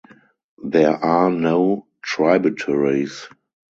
There are no tributaries.